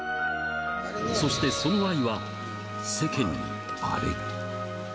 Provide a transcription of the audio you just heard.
そしてその愛は世間にばれる。